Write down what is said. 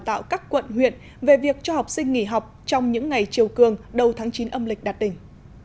tạo các quận huyện về việc cho học sinh nghỉ học trong những ngày chiều cường đầu tháng chín âm lịch đạt đỉnh